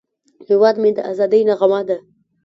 هیواد مې د ازادۍ نغمه ده